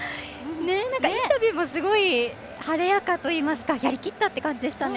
インタビューもすごい晴れやかといいますかやりきったという感じでしたね。